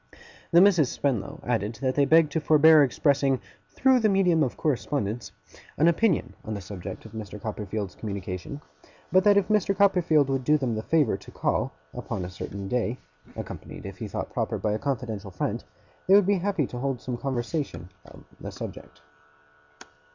The Misses Spenlow added that they begged to forbear expressing, 'through the medium of correspondence', an opinion on the subject of Mr. Copperfield's communication; but that if Mr. Copperfield would do them the favour to call, upon a certain day (accompanied, if he thought proper, by a confidential friend), they would be happy to hold some conversation on the subject.